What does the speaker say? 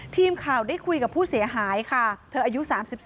ทีมข่าวได้คุยกับผู้เสียหายค่ะเธออายุ๓๒